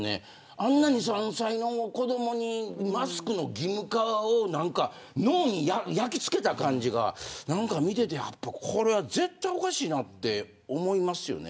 あんな２、３歳の子どもにマスクの義務化を脳に焼きつけた感じが見ててこれは絶対おかしいなって思いますよね。